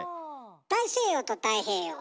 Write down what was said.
大西洋と太平洋。